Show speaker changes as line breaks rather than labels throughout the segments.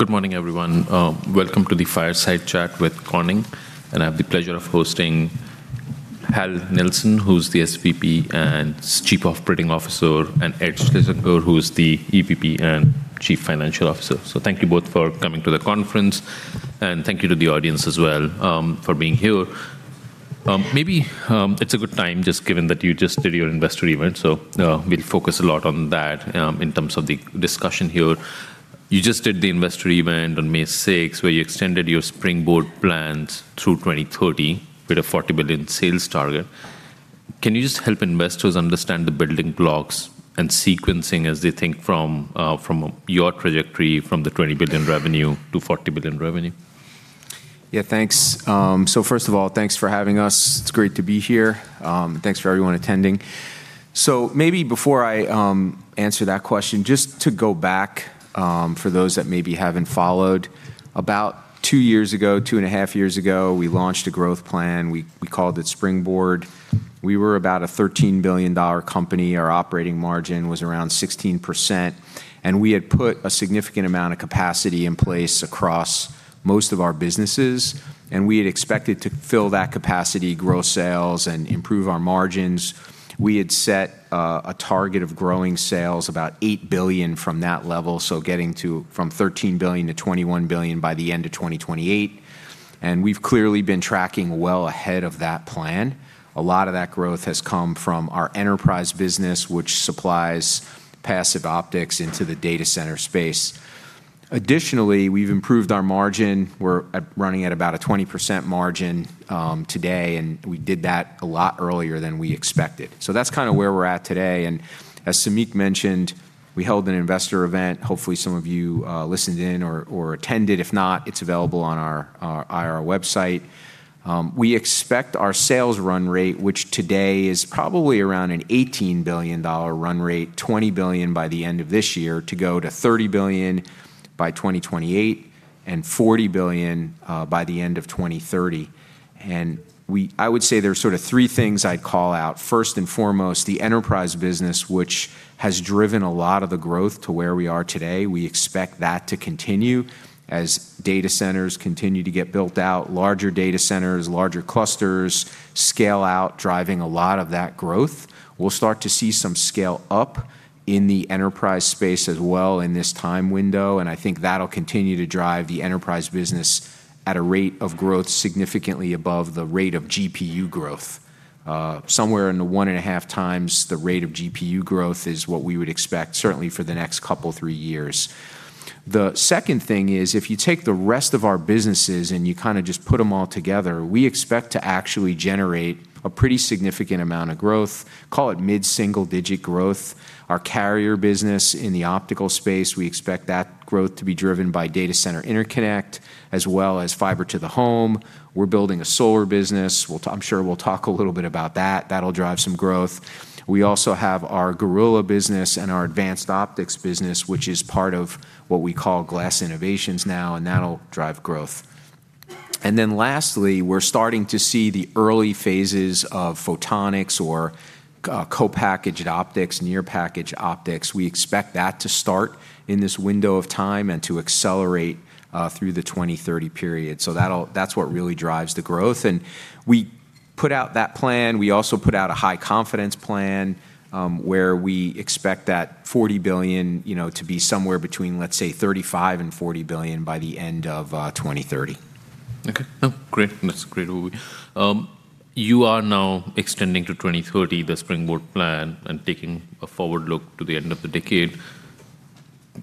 Good morning, everyone. Welcome to the fireside chat with Corning. I have the pleasure of hosting Hal Nelson, who's the EVP and Chief Operating Officer, and Edward Schlesinger, who is the EVP and Chief Financial Officer. Thank you both for coming to the conference, and thank you to the audience as well, for being here. Maybe, it's a good time just given that you just did your investor event, we'll focus a lot on that, in terms of the discussion here. You just did the investor event on May 6th, where you extended your Springboard plans through 2030 with a $40 billion sales target. Can you just help investors understand the building blocks and sequencing as they think from your trajectory from the $20 billion revenue to $40 billion revenue?
Yeah, thanks. First of all, thanks for having us. It's great to be here. Thanks for everyone attending. Maybe before I answer that question, just to go back, for those that maybe haven't followed. About two years ago, two and a half years ago, we launched a growth plan. We called it Springboard. We were about a $13 billion company. Our operating margin was around 16%, and we had put a significant amount of capacity in place across most of our businesses, and we had expected to fill that capacity, grow sales, and improve our margins. We had set a target of growing sales about $8 billion from that level, getting to from $13 billion to $21 billion by the end of 2028. We've clearly been tracking well ahead of that plan. A lot of that growth has come from our enterprise business, which supplies passive optics into the data center space. Additionally, we've improved our margin. We're running at about a 20% margin today. We did that a lot earlier than we expected. That's kind of where we're at today. As Samik mentioned, we held an investor event. Hopefully, some of you listened in or attended. If not, it's available on our IR website. We expect our sales run rate, which today is probably around an $18 billion run rate, $20 billion by the end of this year, to go to $30 billion by 2028 and $40 billion by the end of 2030. I would say there's sort of three things I'd call out. First and foremost, the enterprise business, which has driven a lot of the growth to where we are today. We expect that to continue as data centers continue to get built out, larger data centers, larger clusters scale out, driving a lot of that growth. We will start to see some scale up in the enterprise space as well in this time window, and I think that will continue to drive the enterprise business at a rate of growth significantly above the rate of GPU growth. Somewhere in the 1.5 times the rate of GPU growth is what we would expect, certainly for the next two, three years. The second thing is, if you take the rest of our businesses and you kind of just put them all together, we expect to actually generate a pretty significant amount of growth. Call it mid-single-digit growth. Our carrier business in the optical space, we expect that growth to be driven by data center interconnect as well as fiber to the home. We're building a solar business. I'm sure we'll talk a little bit about that. That'll drive some growth. We also have our Gorilla business and our advanced optics business, which is part of what we call glass innovations now, and that'll drive growth. Lastly, we're starting to see the early phases of photonics or co-packaged optics, near package optics. We expect that to start in this window of time and to accelerate through the 2030 period. That's what really drives the growth. We put out that plan. We also put out a high confidence plan, where we expect that $40 billion, you know, to be somewhere between, let's say, $35 billion and $40 billion by the end of 2030.
Okay. Oh, great. That's great. You are now extending to 2030 the Springboard plan and taking a forward look to the end of the decade.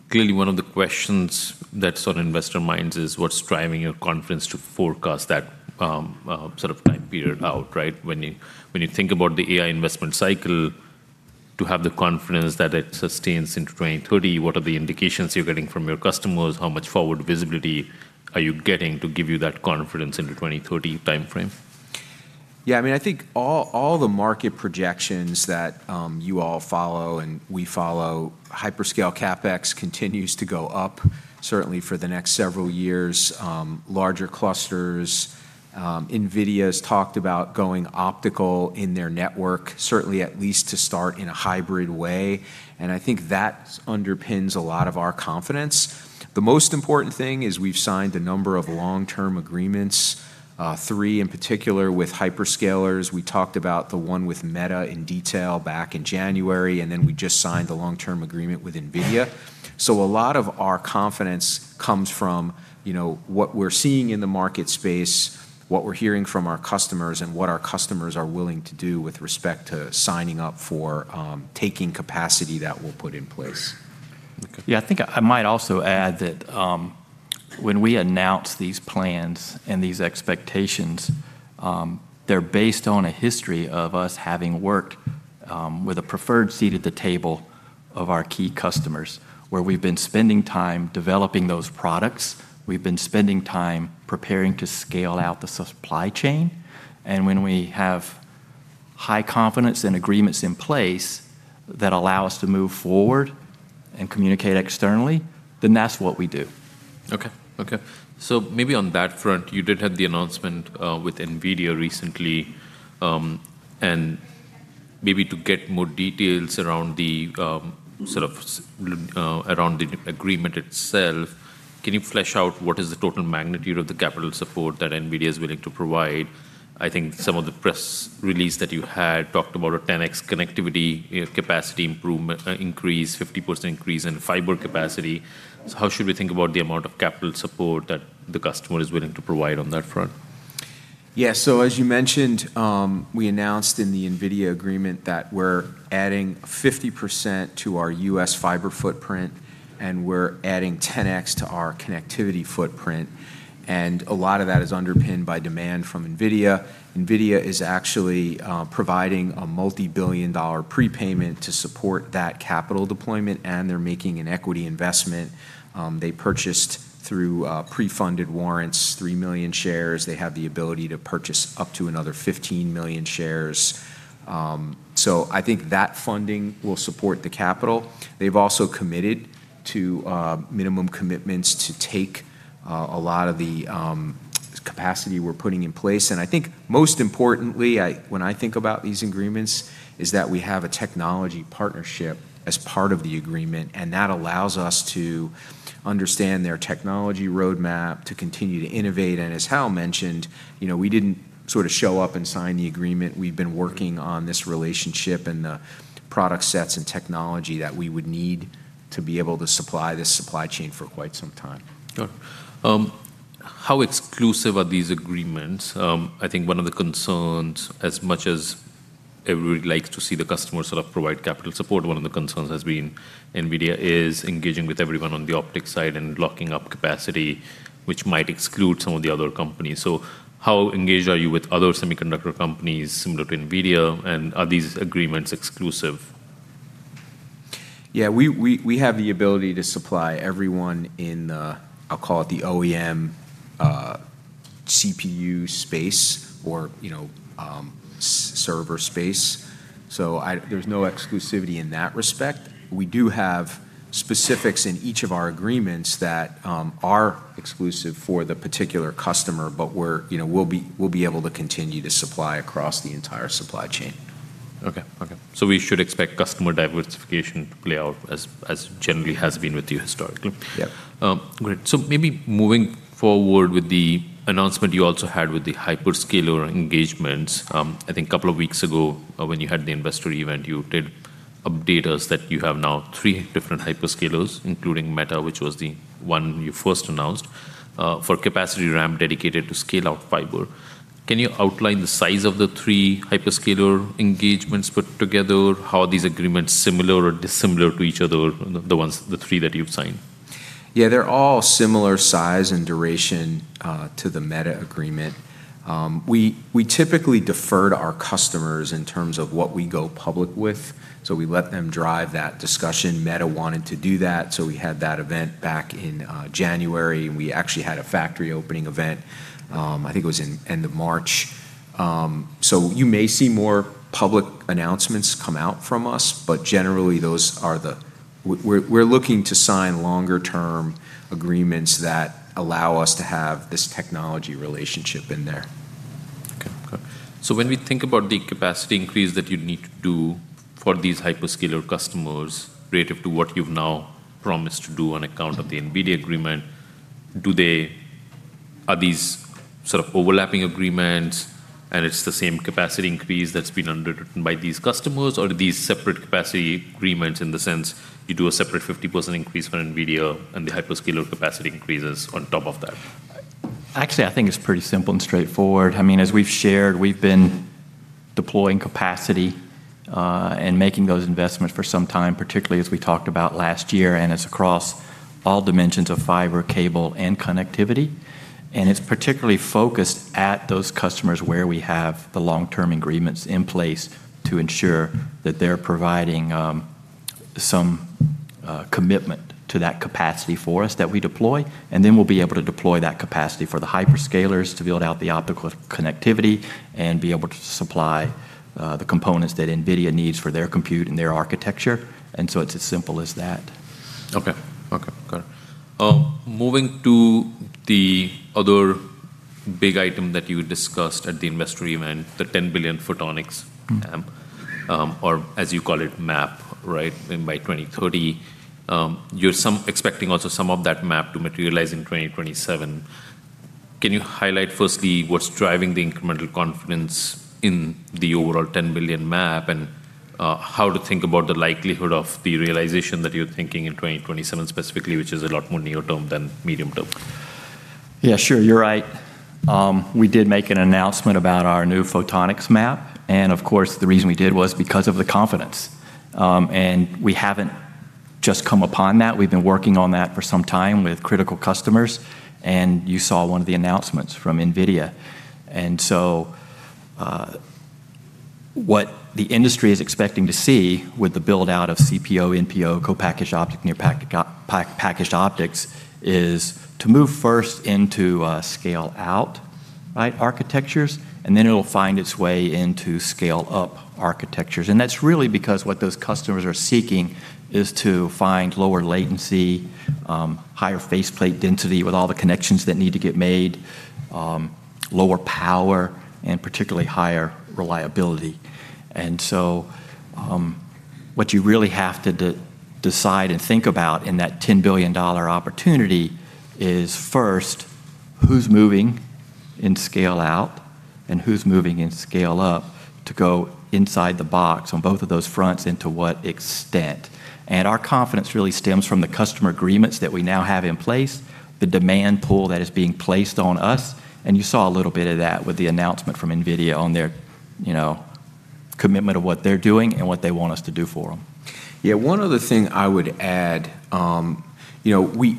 Clearly, one of the questions that's on investor minds is what's driving your confidence to forecast that sort of time period out, right? When you think about the AI investment cycle, to have the confidence that it sustains into 2030, what are the indications you're getting from your customers? How much forward visibility are you getting to give you that confidence in the 2030 timeframe?
I mean, I think all the market projections that you all follow and we follow, hyperscale CapEx continues to go up, certainly for the next several years. Larger clusters. NVIDIA's talked about going optical in their network, certainly at least to start in a hybrid way. I think that underpins a lot of our confidence. The most important thing is we've signed a number of long-term agreements, three in particular with hyperscalers. We talked about the one with Meta in detail back in January, we just signed the long-term agreement with NVIDIA. A lot of our confidence comes from, you know, what we're seeing in the market space, what we're hearing from our customers, and what our customers are willing to do with respect to signing up for taking capacity that we'll put in place.
Okay.
Yeah, I think I might also add that, when we announce these plans and these expectations, they're based on a history of us having worked, with a preferred seat at the table of our key customers, where we've been spending time developing those products. We've been spending time preparing to scale out the supply chain. When we have high confidence and agreements in place that allow us to move forward and communicate externally, then that's what we do.
Okay. Maybe on that front, you did have the announcement with NVIDIA recently. Maybe to get more details around the agreement itself, can you flesh out what is the total magnitude of the capital support that NVIDIA is willing to provide? I think some of the press release that you had talked about a 10x connectivity capacity improvement, increase, 50% increase in fiber capacity. How should we think about the amount of capital support that the customer is willing to provide on that front?
As you mentioned, we announced in the NVIDIA agreement that we're adding 50% to our U.S. fiber footprint, and we're adding 10x to our connectivity footprint, and a lot of that is underpinned by demand from NVIDIA. NVIDIA is actually providing a multi-billion dollar prepayment to support that capital deployment, and they're making an equity investment. They purchased through pre-funded warrants, 3 million shares. They have the ability to purchase up to another 15 million shares. I think that funding will support the capital. They've also committed to minimum commitments to take a lot of the capacity we're putting in place. I think most importantly, when I think about these agreements, is that we have a technology partnership as part of the agreement, and that allows us to understand their technology roadmap to continue to innovate. As Hal mentioned, you know, we didn't sort of show up and sign the agreement. We've been working on this relationship and the product sets and technology that we would need to be able to supply this supply chain for quite some time.
Sure. How exclusive are these agreements? I think one of the concerns, as much as everybody likes to see the customer sort of provide capital support, one of the concerns has been NVIDIA is engaging with everyone on the optic side and locking up capacity, which might exclude some of the other companies. How engaged are you with other semiconductor companies similar to NVIDIA, and are these agreements exclusive?
Yeah. We have the ability to supply everyone in the, I'll call it the OEM, CPU space or, you know, server space. There's no exclusivity in that respect. We do have specifics in each of our agreements that are exclusive for the particular customer, but we're, you know, we'll be able to continue to supply across the entire supply chain.
Okay. Okay. We should expect customer diversification to play out as generally has been with you historically.
Yeah.
Great. Maybe moving forward with the announcement you also had with the hyperscaler engagements, I think couple of weeks ago when you had the investor event, you did update us that you have now three different hyperscalers, including Meta, which was the one you first announced, for capacity ramp dedicated to scale-out fiber. Can you outline the size of the three hyperscaler engagements put together? How are these agreements similar or dissimilar to each other, the ones, the three that you've signed?
Yeah. They're all similar size and duration to the Meta agreement. We typically defer to our customers in terms of what we go public with, so we let them drive that discussion. Meta wanted to do that, so we had that event back in January. We actually had a factory opening event, I think it was in end of March. You may see more public announcements come out from us, but generally, we're looking to sign longer term agreements that allow us to have this technology relationship in there.
Okay. When we think about the capacity increase that you need to do for these hyperscaler customers relative to what you've now promised to do on account of the NVIDIA agreement, are these sort of overlapping agreements and it's the same capacity increase that's been underwritten by these customers? Are these separate capacity agreements in the sense you do a separate 50% increase for NVIDIA and the hyperscaler capacity increases on top of that?
Actually, I think it's pretty simple and straightforward. I mean, as we've shared, we've been deploying capacity and making those investments for some time, particularly as we talked about last year, and it's across all dimensions of fiber, cable, and connectivity. It's particularly focused at those customers where we have the long-term agreements in place to ensure that they're providing some commitment to that capacity for us that we deploy, and then we'll be able to deploy that capacity for the hyperscalers to build out the optical connectivity and be able to supply the components that NVIDIA needs for their compute and their architecture. It's as simple as that.
Okay, got it. moving to the other big item that you discussed at the investor event, the $10 billion photonics, or as you call it, TAP, right? By 2030. You're expecting also some of that MAP to materialize in 2027. Can you highlight firstly what's driving the incremental confidence in the overall $10 billion TAM and how to think about the likelihood of the realization that you're thinking in 2027 specifically, which is a lot more near-term than medium-term?
Yeah, sure. You're right. We did make an announcement about our new photonics MAP, of course, the reason we did was because of the confidence. We haven't just come upon that. We've been working on that for some time with critical customers, you saw one of the announcements from NVIDIA. What the industry is expecting to see with the build-out of CPO, NPO, co-packaged optic, near package optics is to move first into scale-out architectures, then it'll find its way into scale-up architectures. That's really because what those customers are seeking is to find lower latency, higher faceplate density with all the connections that need to get made, Lower power and particularly higher reliability. What you really have to decide and think about in that $10 billion opportunity is first, who's moving in scale out and who's moving in scale up to go inside the box on both of those fronts and to what extent? Our confidence really stems from the customer agreements that we now have in place, the demand pool that is being placed on us, and you saw a little bit of that with the announcement from NVIDIA on their, you know, commitment of what they're doing and what they want us to do for them.
Yeah, one other thing I would add, you know,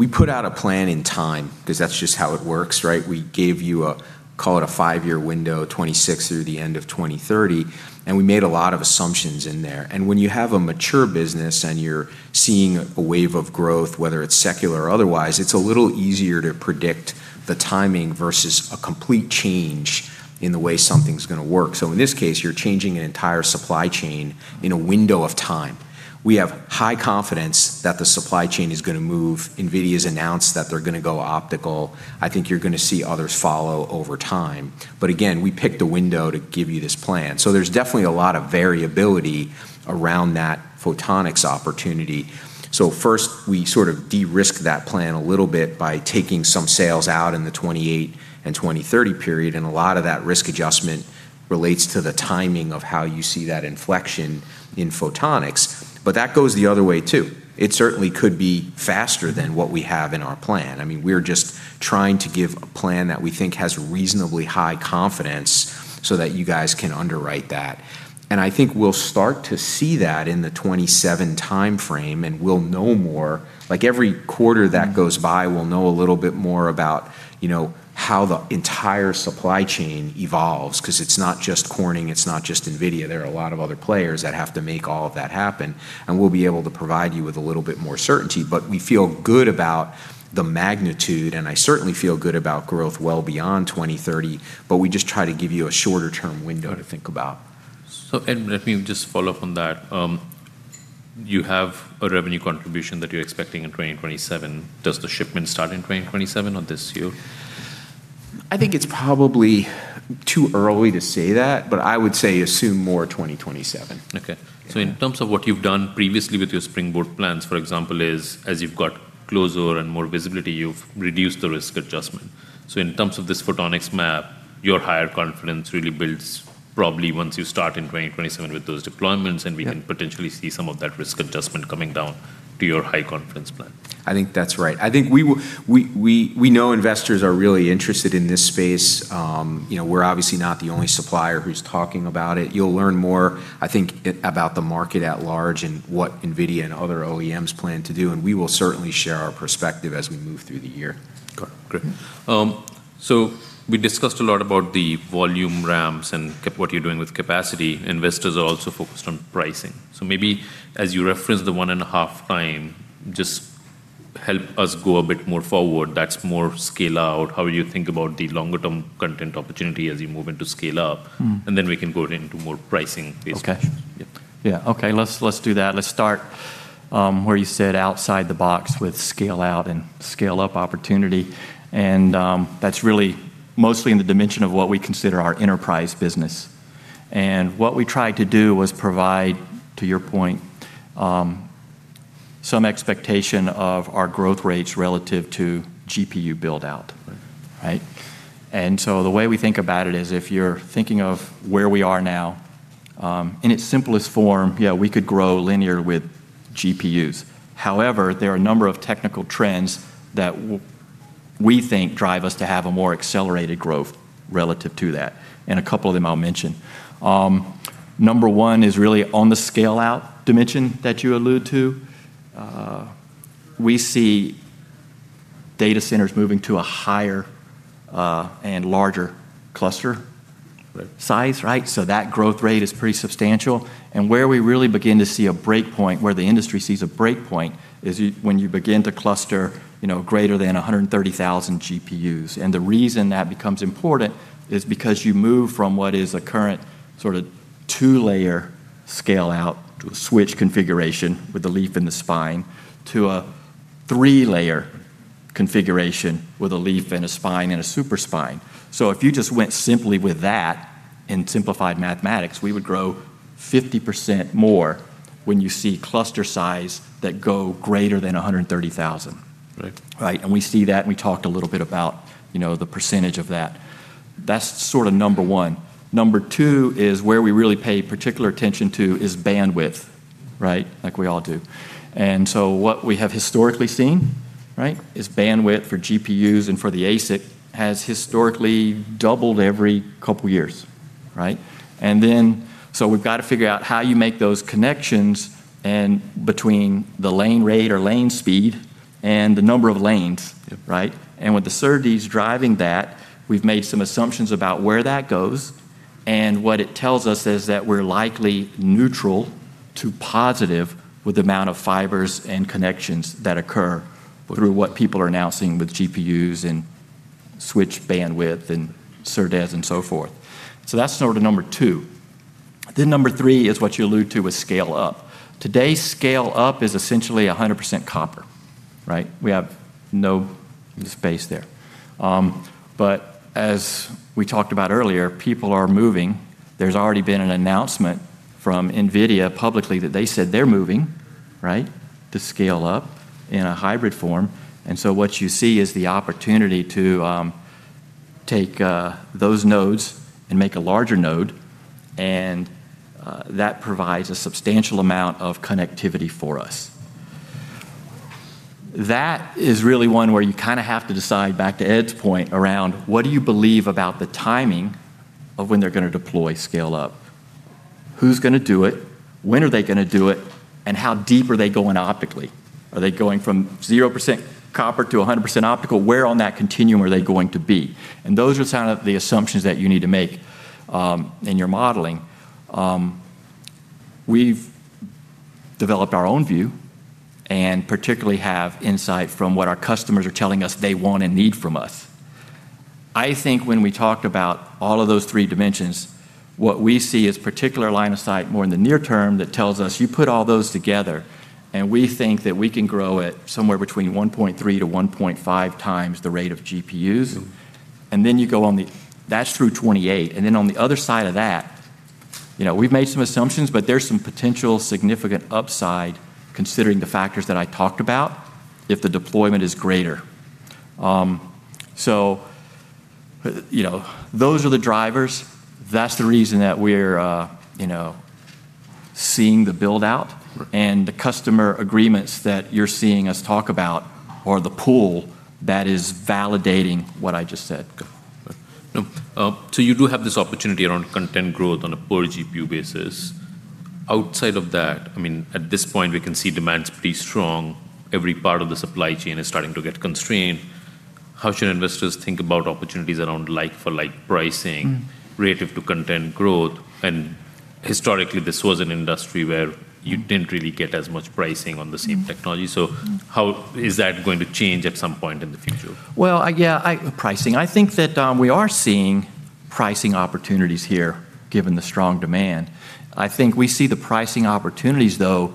we put out a plan in time because that's just how it works, right? We gave you a, call it a five-year window, 2026 through the end of 2030, and we made a lot of assumptions in there. When you have a mature business and you're seeing a wave of growth, whether it's secular or otherwise, it's a little easier to predict the timing versus a complete change in the way something's gonna work. In this case, you're changing an entire supply chain in a window of time. We have high confidence that the supply chain is gonna move. NVIDIA's announced that they're gonna go optical. I think you're gonna see others follow over time. Again, we picked a window to give you this plan. There's definitely a lot of variability around that photonics opportunity. First, we sort of de-risk that plan a little bit by taking some sales out in the 2028 and 2030 period, and a lot of that risk adjustment relates to the timing of how you see that inflection in photonics. That goes the other way, too. It certainly could be faster than what we have in our plan. I mean, we're just trying to give a plan that we think has reasonably high confidence so that you guys can underwrite that. I think we'll start to see that in the 2027 timeframe, and we'll know more. Like, every quarter that goes by, we'll know a little bit more about, you know, how the entire supply chain evolves, because it's not just Corning, it's not just NVIDIA. There are a lot of other players that have to make all of that happen, and we'll be able to provide you with a little bit more certainty. We feel good about the magnitude, and I certainly feel good about growth well beyond 2030, but we just try to give you a shorter-term window to think about.
And let me just follow up on that. You have a revenue contribution that you're expecting in 2027. Does the shipment start in 2027 or this year?
I think it's probably too early to say that, but I would say assume more 2027.
Okay. In terms of what you've done previously with your Springboard plans, for example, as you've got closer and more visibility, you've reduced the risk adjustment. In terms of this photonics map, your higher confidence really builds probably once you start in 2027 with those deployments. We can potentially see some of that risk adjustment coming down to your high confidence plan.
I think that's right. I think we know investors are really interested in this space. you know, we're obviously not the only supplier who's talking about it. You'll learn more, I think, about the market at large and what NVIDIA and other OEMs plan to do, and we will certainly share our perspective as we move through the year.
Okay, great. We discussed a lot about the volume ramps and what you're doing with capacity. Investors are also focused on pricing. Maybe as you reference the 1.5x, just help us go a bit more forward that's more scale out, how you think about the longer term content opportunity as you move into scale up? We can go into more pricing-based questions.
Yeah. Okay, let's do that. Let's start where you said outside the box with scale out and scale up opportunity, and that's really mostly in the dimension of what we consider our enterprise business. What we tried to do was provide, to your point, some expectation of our growth rates relative to GPU build-out. Right? Right? The way we think about it is if you're thinking of where we are now, in its simplest form, yeah, we could grow linear with GPUs. However, there are a number of technical trends that we think drive us to have a more accelerated growth relative to that, and a couple of them I'll mention. Number one is really on the scale-out dimension that you allude to. We see data centers moving to a higher and larger cluster size, right? That growth rate is pretty substantial. Where we really begin to see a break point, where the industry sees a break point, is when you begin to cluster, you know, greater than 130,000 GPUs. The reason that becomes important is because you move from what is a current sort of two-layer scale out to a switch configuration with a leaf and a spine, to a three-layer configuration with a leaf and a spine and a super spine. If you just went simply with that in simplified mathematics, we would grow 50% more when you see cluster size that go greater than 130,000 GPUs. Right? We see that, and we talked a little bit about, you know, the percentage of that. That's sort of number 1. Number 2 is where we really pay particular attention to is bandwidth, right? Like we all do. What we have historically seen, right, is bandwidth for GPUs and for the ASIC has historically doubled every 2 years, right? Then, so we've got to figure out how you make those connections and between the lane rate or lane speed and the number of lanes, right? With the SerDes driving that, we've made some assumptions about where that goes, and what it tells us is that we're likely neutral to positive with the amount of fibers and connections that occur through what people are now seeing with GPUs and switch bandwidth and SerDes and so forth. That's sort of number two. Number three is what you allude to with scale-up. Today, scale-up is essentially 100% copper, right? We have no space there. As we talked about earlier, people are moving. There's already been an announcement from NVIDIA publicly that they said they're moving, right, to scale-up in a hybrid form. What you see is the opportunity to take those nodes and make a larger node, and that provides a substantial amount of connectivity for us. That is really one where you kind of have to decide, back to Ed's point, around what do you believe about the timing of when they're gonna deploy scale-up? Who's gonna do it? When are they gonna do it? How deep are they going optically? Are they going from 0% copper to 100% optical? Where on that continuum are they going to be? Those are kind of the assumptions that you need to make in your modeling. We've developed our own view, and particularly have insight from what our customers are telling us they want and need from us. I think when we talk about all of those three dimensions, what we see is particular line of sight more in the near term that tells us you put all those together, and we think that we can grow it somewhere between 1.3x to 1.5x the rate of GPUs. That's through 2028. On the other side of that, you know, we've made some assumptions, but there's some potential significant upside considering the factors that I talked about if the deployment is greater. You know, those are the drivers. That's the reason that we're, you know, seeing the build-out. The customer agreements that you're seeing us talk about or the pool, that is validating what I just said.
No. You do have this opportunity around content growth on a per GPU basis. Outside of that, I mean, at this point, we can see demand's pretty strong. Every part of the supply chain is starting to get constrained. How should investors think about opportunities around like for like pricing? Relative to content growth? Historically, this was an industry where you didn't really get as much pricing on the same technology. How is that going to change at some point in the future?
Yeah, pricing. I think that we are seeing pricing opportunities here given the strong demand. I think we see the pricing opportunities, though,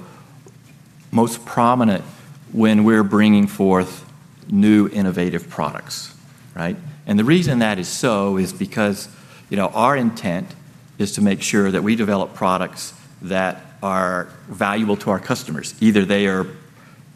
most prominent when we're bringing forth new innovative products, right? The reason that is so is because, you know, our intent is to make sure that we develop products that are valuable to our customers. Either they are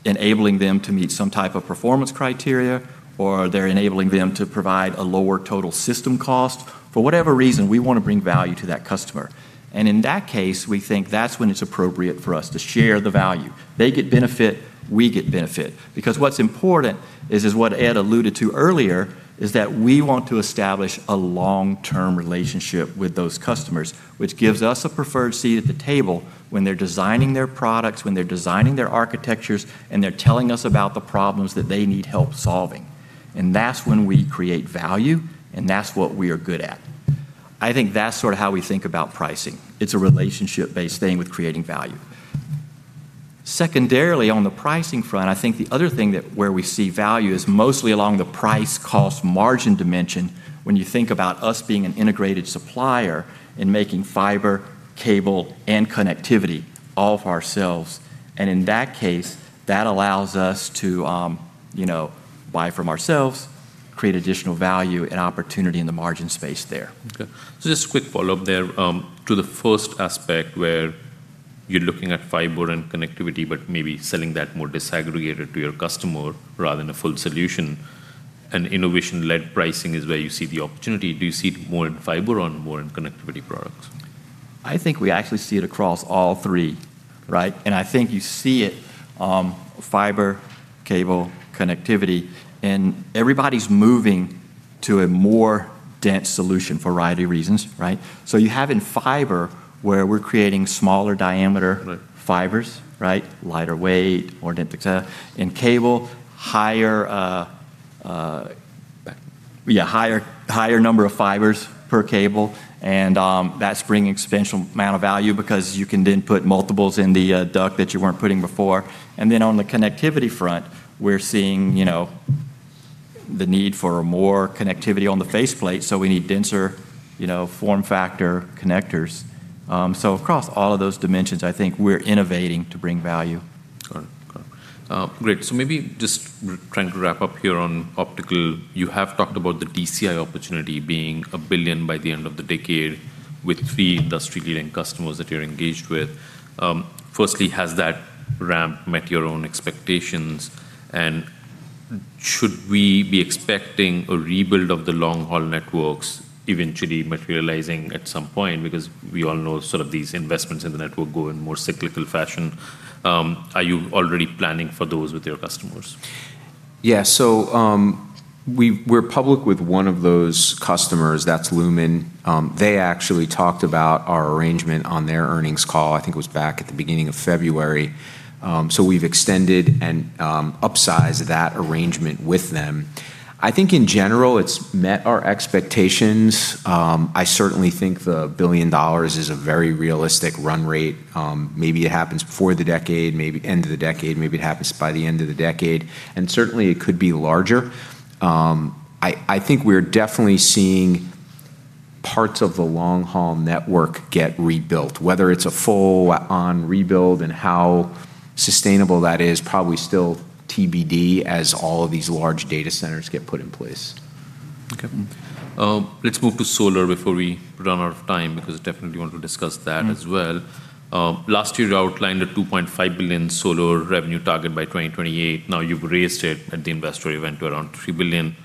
enabling them to meet some type of performance criteria, or they're enabling them to provide a lower total system cost. For whatever reason, we wanna bring value to that customer. In that case, we think that's when it's appropriate for us to share the value. They get benefit, we get benefit. What's important is what Ed alluded to earlier, is that we want to establish a long-term relationship with those customers, which gives us a preferred seat at the table when they're designing their products, when they're designing their architectures, and they're telling us about the problems that they need help solving. That's when we create value, and that's what we are good at. I think that's sort of how we think about pricing. It's a relationship-based thing with creating value. Secondarily, on the pricing front, I think the other thing that where we see value is mostly along the price cost margin dimension when you think about us being an integrated supplier and making fiber, cable, and connectivity all for ourselves. In that case, that allows us to, you know, buy from ourselves, create additional value and opportunity in the margin space there.
Okay. Just a quick follow-up there, to the first aspect where you're looking at fiber and connectivity, but maybe selling that more disaggregated to your customer rather than a full solution, and innovation-led pricing is where you see the opportunity. Do you see it more in fiber or more in connectivity products?
I think we actually see it across all three, right? I think you see it, fiber, cable, connectivity, Everybody's moving to a more dense solution for a variety of reasons, right? You have in fiber where we are creating smaller diameter fibers, right? Lighter weight, more density. In cable, higher number of fibers per cable, that's bringing exponential amount of value because you can then put multiples in the duct that you weren't putting before. On the connectivity front, we're seeing, you know, the need for more connectivity on the faceplate, so we need denser, you know, form factor connectors. Across all of those dimensions, I think we're innovating to bring value.
Got it. Great. Maybe just trying to wrap up here on optical, you have talked about the DCI opportunity being $1 billion by the end of the decade with three industry-leading customers that you're engaged with. Firstly, has that ramp met your own expectations? Should we be expecting a rebuild of the long-haul networks eventually materializing at some point? We all know sort of these investments in the network go in more cyclical fashion. Are you already planning for those with your customers?
Yeah. We're public with one of those customers. That's Lumen. They actually talked about our arrangement on their earnings call. I think it was back at the beginning of February. We've extended and upsized that arrangement with them. I think in general, it's met our expectations. I certainly think the $1 billion is a very realistic run rate. Maybe it happens before the decade, maybe end of the decade. Maybe it happens by the end of the decade. Certainly, it could be larger. I think we're definitely seeing parts of the long-haul network get rebuilt, whether it's a full-on rebuild and how sustainable that is probably still TBD as all of these large data centers get put in place.
Let's move to solar before we run out of time, because definitely we want to discuss that as well. Last year you outlined a $2.5 billion solar revenue target by 2028. Now you've raised it at the investor event to around $3 billion.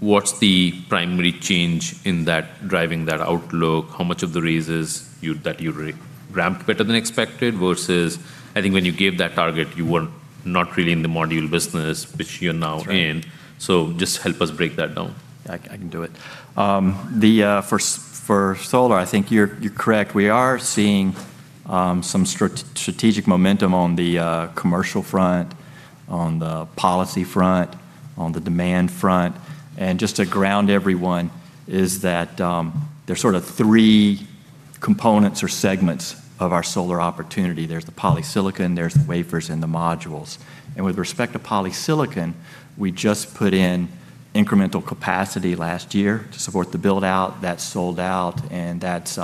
What's the primary change in that driving that outlook? How much of the raise is you, that you re- ramped better than expected versus I think when you gave that target, you were not really in the module business, which you're now in. Just help us break that down.
I can do it. The for solar, I think you're correct. We are seeing some strategic momentum on the commercial front, on the policy front, on the demand front. Just to ground everyone is that there's sort of three components or segments of our solar opportunity. There's the polysilicon, there's the wafers, and the modules. With respect to polysilicon, we just put in incremental capacity last year to support the build-out. That sold out, and that's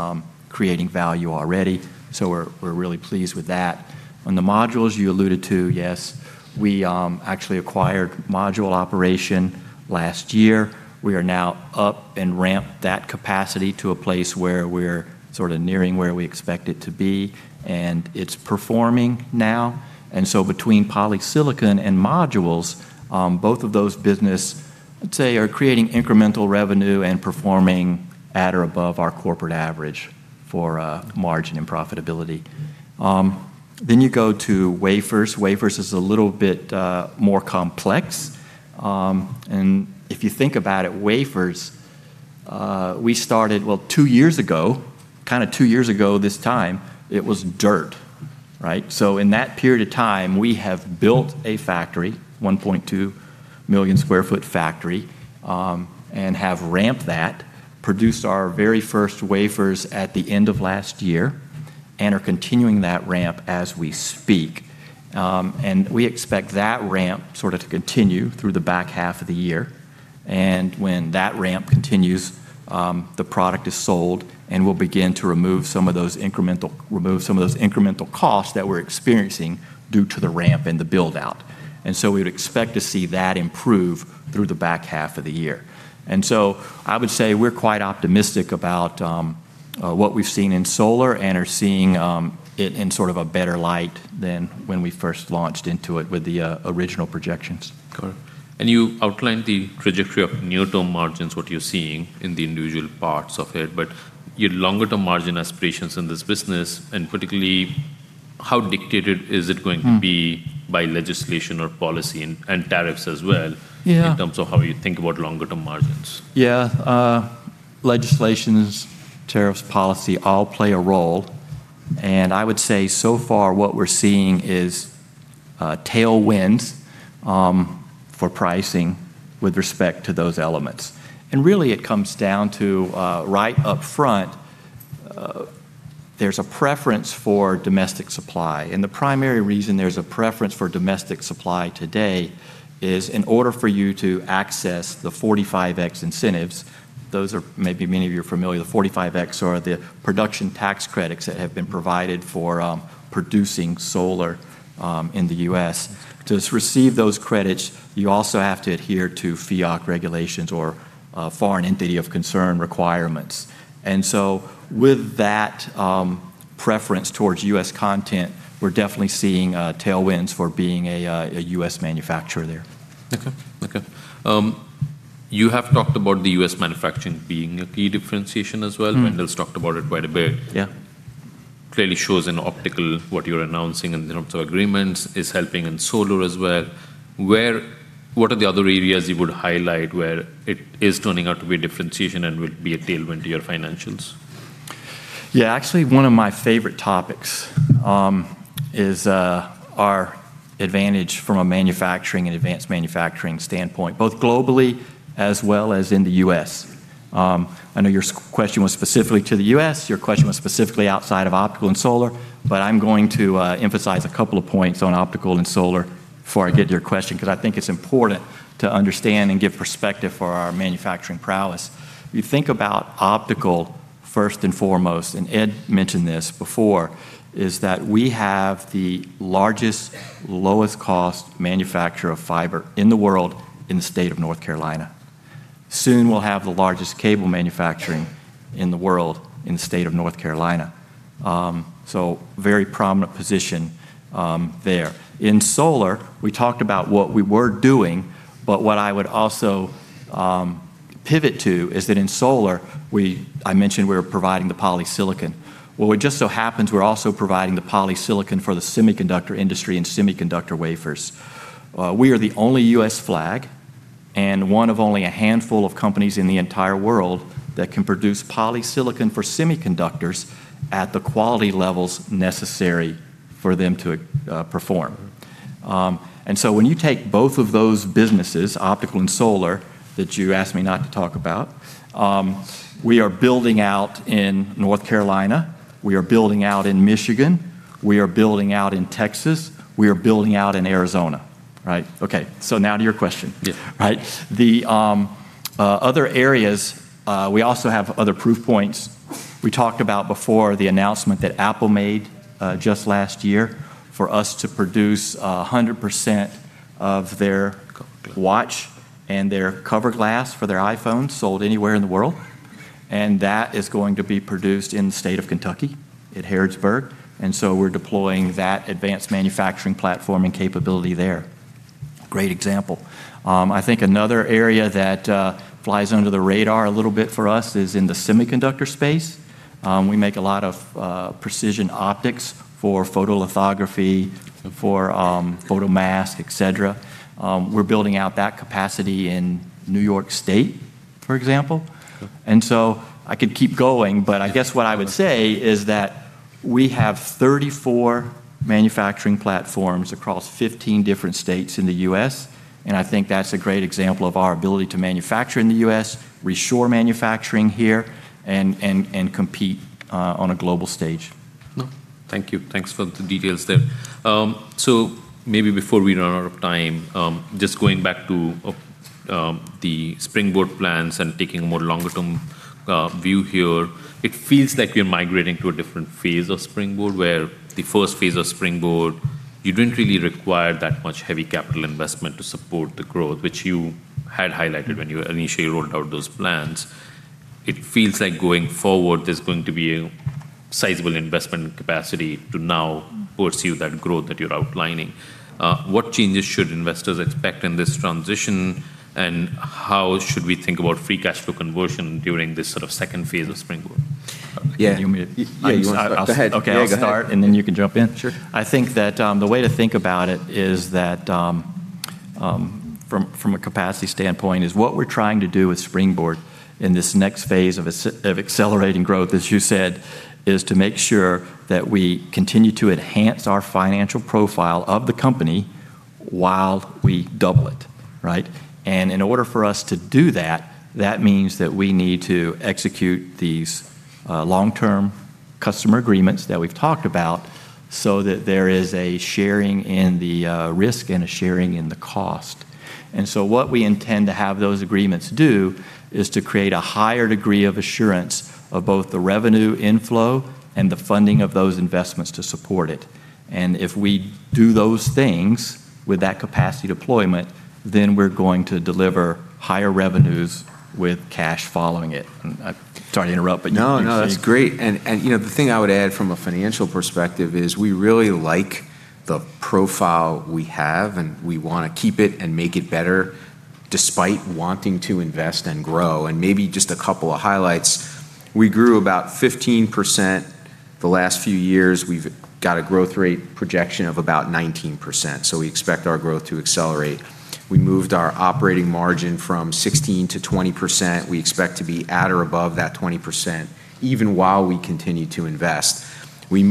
creating value already. We're really pleased with that. On the modules you alluded to, yes, we actually acquired module operation last year. We are now up and ramped that capacity to a place where we're sort of nearing where we expect it to be, and it's performing now. Between polysilicon and modules, both of those business, I'd say, are creating incremental revenue and performing at or above our corporate average for margin and profitability. You go to wafers. Wafers is a little bit more complex. If you think about it, wafers, we started, well, two years ago, kinda two years ago this time, it was dirt, right? In that period of time, we have built a factory, 1.2 million sq ft factory, and have ramped that, produced our very first wafers at the end of last year, and are continuing that ramp as we speak. We expect that ramp sorta to continue through the back half of the year. When that ramp continues, the product is sold and we'll begin to remove some of those incremental costs that we're experiencing due to the ramp and the build-out. We would expect to see that improve through the back half of the year. I would say we're quite optimistic about what we've seen in solar and are seeing it in sort of a better light than when we first launched into it with the original projections.
Got it. You outlined the trajectory of near-term margins, what you're seeing in the individual parts of it, but your longer term margin aspirations in this business, and particularly how dictated is it going to be by legislation or policy and tariffs as well in terms of how you think about longer term margins?
Yeah. Legislations, tariffs, policy all play a role. I would say so far what we're seeing is tailwinds for pricing with respect to those elements. Really it comes down to right up front, there's a preference for domestic supply, and the primary reason there's a preference for domestic supply today is in order for you to access the 45X incentives, those are, maybe many of you are familiar, the 45X are the production tax credits that have been provided for producing solar in the U.S. To receive those credits, you also have to adhere to FEOC regulations or Foreign Entity of Concern requirements. With that, preference towards U.S. content, we're definitely seeing tailwinds for being a U.S. manufacturer there.
Okay. You have talked about the U.S. manufacturing being a key differentiation as well. Wendell's talked about it quite a bit.
Yeah.
Clearly shows in optical what you're announcing in terms of agreements. It's helping in solar as well. What are the other areas you would highlight where it is turning out to be a differentiation and will be a tailwind to your financials?
Yeah. Actually, one of my favorite topics, is our advantage from a manufacturing and advanced manufacturing standpoint, both globally as well as in the U.S. I know your question was specifically to the U.S., your question was specifically outside of optical and solar, but I'm going to emphasize a couple of points on optical and solar before I get to your question, 'cause I think it's important to understand and give perspective for our manufacturing prowess. If you think about optical first and foremost, and Ed mentioned this before, is that we have the largest, lowest cost manufacturer of fiber in the world in the state of North Carolina. Soon we'll have the largest cable manufacturing in the world in the state of North Carolina. Very prominent position there. In solar, we talked about what we were doing, but what I would also pivot to is that in solar, we, I mentioned we were providing the polysilicon. What just so happens we're also providing the polysilicon for the semiconductor industry and semiconductor wafers. We are the only U.S. flag and one of only a handful of companies in the entire world that can produce polysilicon for semiconductors at the quality levels necessary for them to perform. When you take both of those businesses, optical and solar, that you asked me not to talk about, we are building out in North Carolina, we are building out in Michigan, we are building out in Texas, we are building out in Arizona. Right, okay. Now to your question.
Yeah.
Right? The other areas, we also have other proof points. We talked about before the announcement that Apple made just last year for us to produce 100% of their watch and their cover glass for their iPhone sold anywhere in the world, and that is going to be produced in the state of Kentucky at Harrodsburg. We're deploying that advanced manufacturing platform and capability there. Great example. I think another area that flies under the radar a little bit for us is in the semiconductor space. We make a lot of precision optics for photolithography for photomask, etc. We're building out that capacity in New York State, for example.
Okay.
I could keep going, but I guess what I would say is that we have 34 manufacturing platforms across 15 different states in the U.S., and I think that's a great example of our ability to manufacture in the U.S., reshore manufacturing here, and compete on a global stage.
No, thank you. Thanks for the details there. Maybe before we run out of time, just going back to the Springboard plans and taking a more longer term view here, it feels like we're migrating to a different phase of Springboard, where the first phase of Springboard, you didn't really require that much heavy capital investment to support the growth, which you had highlighted when you initially rolled out those plans. It feels like going forward, there's going to be a sizable investment capacity to now pursue that growth that you're outlining. What changes should investors expect in this transition, and how should we think about free cash flow conversion during this sort of second phase of Springboard?
Yeah.
Can you maybe-
Yeah, you wanna start? Go ahead.
Okay, I'll start.
Yeah, go ahead.
You can jump in.
Sure.
I think that, the way to think about it is that, from a capacity standpoint, is what we're trying to do with Springboard in this next phase of accelerating growth, as you said, is to make sure that we continue to enhance our financial profile of the company while we double it, right? In order for us to do that means that we need to execute these long-term customer agreements that we've talked about so that there is a sharing in the risk and a sharing in the cost. What we intend to have those agreements do is to create a higher degree of assurance of both the revenue inflow and the funding of those investments to support it. If we do those things with that capacity deployment, we're going to deliver higher revenues with cash following it. I'm sorry to interrupt, you were saying?
No, no, it's great. You know, the thing I would add from a financial perspective is we really like the profile we have, and we wanna keep it and make it better despite wanting to invest and grow. Maybe just a couple of highlights, we grew about 15% the last few years. We've got a growth rate projection of about 19%, so we expect our growth to accelerate. We moved our operating margin from 16% to 20%. We expect to be at or above that 20%, even while we continue to invest. The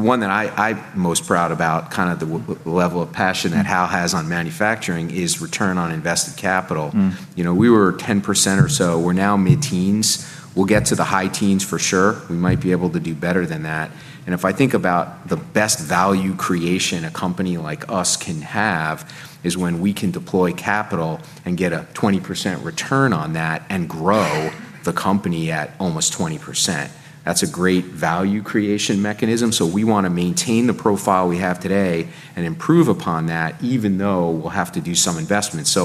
one that I'm most proud about, kind of the level of passion that Hal has on manufacturing, is return on invested capital. You know, we were 10% or so. We're now mid-teens. We'll get to the high teens for sure. We might be able to do better than that. If I think about the best value creation a company like us can have is when we can deploy capital and get a 20% return on that and grow the company at almost 20%. That's a great value creation mechanism, so we wanna maintain the profile we have today and improve upon that, even though we'll have to do some investments.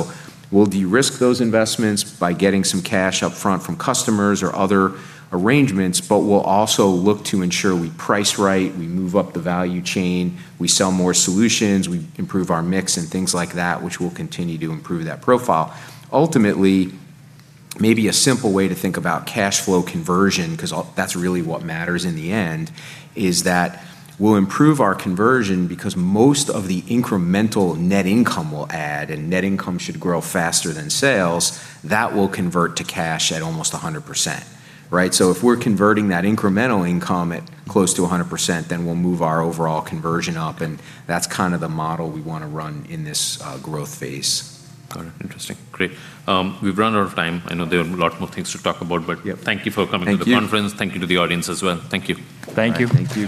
We'll de-risk those investments by getting some cash up front from customers or other arrangements, but we'll also look to ensure we price right, we move up the value chain, we sell more solutions, we improve our mix and things like that, which will continue to improve that profile. Ultimately, maybe a simple way to think about cash flow conversion, 'cause that's really what matters in the end, is that we'll improve our conversion because most of the incremental net income we'll add, and net income should grow faster than sales, that will convert to cash at almost 100%, right? If we're converting that incremental income at close to 100%, then we'll move our overall conversion up, and that's kind of the model we wanna run in this growth phase.
Got it. Interesting. Great. We've run out of time. I know there are a lot more things to talk about.
Yeah
Thank you for coming to the conference.
Thank you.
Thank you to the audience as well. Thank you.
Thank you.
Thank you.